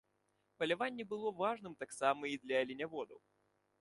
Паляванне было важным таксама і для аленяводаў.